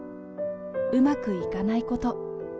うまくいかないこと。